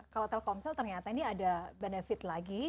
kalau telkomsel ternyata ini ada benefit lagi